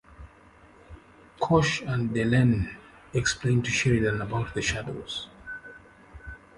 Kosh and Delenn explain to Sheridan about the Shadows.